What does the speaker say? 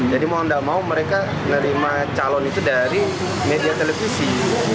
jadi mohon tak mau mereka menerima calon itu dari media televisi